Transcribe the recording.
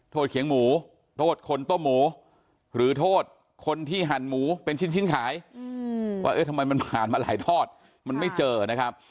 เขียงหมูโทษคนต้มหมูหรือโทษคนที่หั่นหมูเป็นชิ้นขายว่าเอ๊ะทำไมมันผ่านมาหลายทอดมันไม่เจอนะครับ